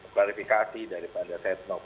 klarifikasi daripada setnok